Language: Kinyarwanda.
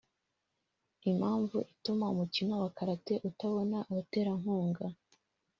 Impamvu ituma umukino wa Karate utabona abaterankunga